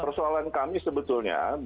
persoalan kami sebetulnya